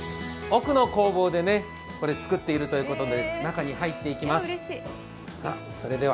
奥の工房で作っているということで中に入っていきます。